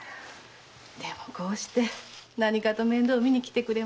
でもこうして何かと面倒みに来てくれましてねえ。